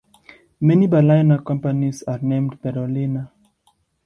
Many Berliner companies are named "Berolina".